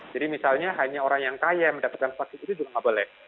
jadi misalnya hanya orang yang kaya mendapatkan spasi itu juga tidak boleh